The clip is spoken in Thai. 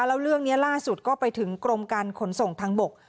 แล้วเรื่องนี้ล่าสุดก็ไปถึงกรมการขนส่งทางบก